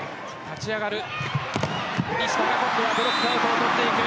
石川が今度はブロックアウトを取っていく。